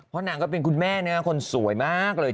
เพราะนางก็เป็นคุณแม่คนสวยมากเลย